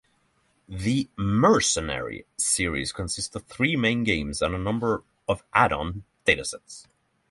The "Mercenary" series consists of three main games and a number of add-on datasets.